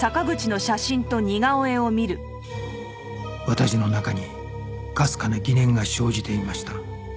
私の中にかすかな疑念が生じていました